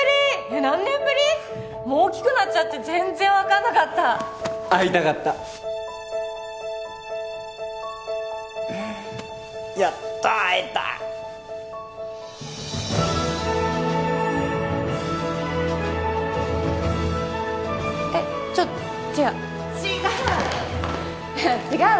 えっ何年ぶり？大きくなっちゃって全然分かんなかった会いたかったやっと会えたえっちょっと違う違う！